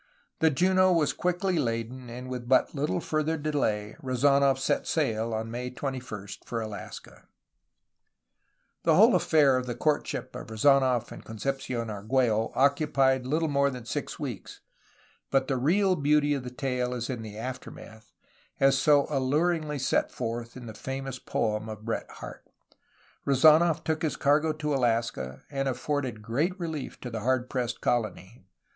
The Juno was quickly laden, and with but little further delay Rezdnof set sail, on May 21, for Alaska. The whole affair of the courtship of Rezdnof and Con cepci6n Argiiello occupied little more than six weeks, but the real beauty of the tale is in the aftermath, as is so alluringly set forth in the famous poem of Bret Harte. Rezdnof took his cargo to Alaska, and afforded great relief to the hard pressed colony.